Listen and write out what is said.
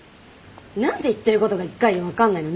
何で言ってることが１回で分かんないの？